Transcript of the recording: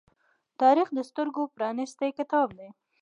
تاریخ د سترگو پرانیستی کتاب دی.